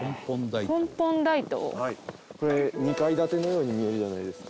これ２階建てのように見えるじゃないですか。